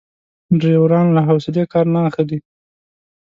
ډریوران له حوصلې کار نه اخلي.